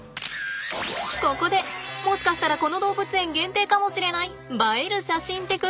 ここでもしかしたらこの動物園限定かもしれない映える写真テク。